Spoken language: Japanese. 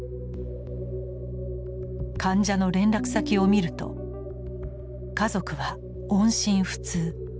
患者の連絡先を見ると「家族は音信不通」。